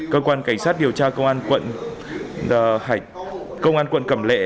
cơ quan cảnh sát điều tra công an quận cẩm lệ